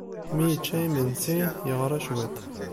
Mi yecca imensi, yeɣra cwiṭ.